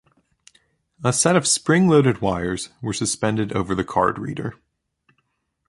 A set of spring-loaded wires were suspended over the card reader.